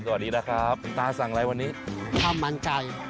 สวัสดีละครับคุณป้าสั่งอะไรวันนี้